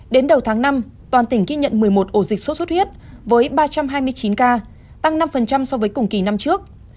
đến đầu tháng năm toàn tỉnh ghi nhận một mươi một ổ dịch sốt xuất huyết với ba trăm hai mươi chín ca tăng năm so với cùng kỳ năm trước